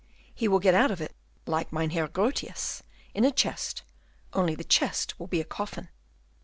He will get out of it, like Mynheer Grotius, in a chest, only the chest will be a coffin."